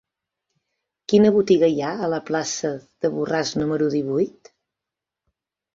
Quina botiga hi ha a la plaça de Borràs número divuit?